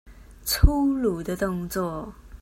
粗魯的動作